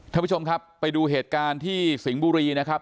ท่านผู้ชมครับไปดูเหตุการณ์ที่สิงห์บุรีนะครับ